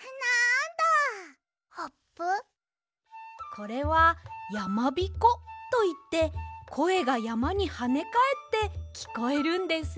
これは「やまびこ」といってこえがやまにはねかえってきこえるんですよ。